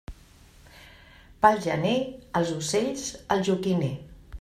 Pel gener, els ocells al joquiner.